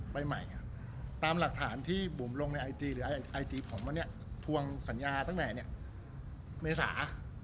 ไปใหม่ตามหลักฐานที่บุ่มลงในไอจีหรือไอจีผมหมะเนี้ยทวงสัญญาตั้งแต่อันเนี้ยเมษา